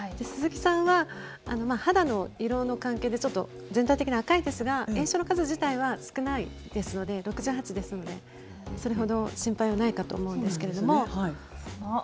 鈴木さんは肌の色の関係で全体的に赤いですが炎症の数自体が少ないですので６８ですので、それほど心配はないかと思うんですけれども。